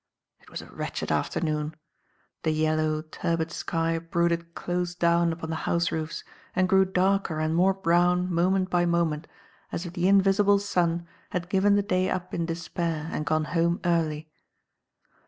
It was a wretched afternoon. The yellow, turbid sky brooded close down upon the houseroofs and grew darker and more brown moment by moment, as if the invisible sun had given the day up in despair and gone home early.